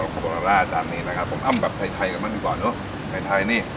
ของจานนี้นะครับผมอ้ำแบบไทยไทยกันบ้างดีกว่าดูไทยไทยนี่